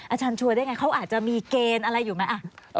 อาจารย์ชัวร์ได้ไงเขาอาจจะมีเกณฑ์อะไรอยู่ไหม